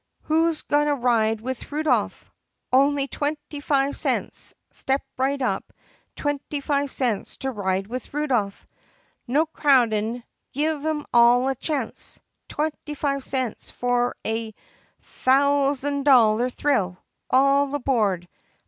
Who's gonna ride with Rudolph? On'y twenny fi' cents! Step right up! Twenny fi' cents to ride with Rudolph ! No crowdin'! Give 'em all a chance! Twenny fi' cents for a thou zin dolluh thrill! All aboard!